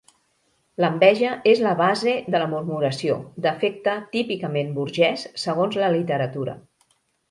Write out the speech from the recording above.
L'enveja és la base de la murmuració, defecte típicament burgès segons la literatura.